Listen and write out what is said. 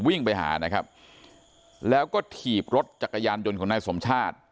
วิ่งไปหานะครับแล้วก็ถีบรถจักรยานยนต์ของนายสมชาติ